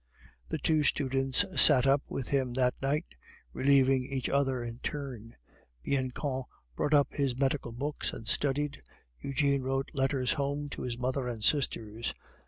The two students sat up with him that night, relieving each other in turn. Bianchon brought up his medical books and studied; Eugene wrote letters home to his mother and sisters.